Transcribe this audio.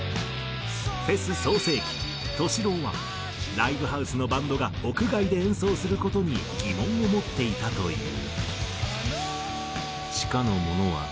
フェス創成期ＴＯＳＨＩ−ＬＯＷはライブハウスのバンドが屋外で演奏する事に疑問を持っていたという。